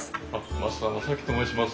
増田正樹と申します。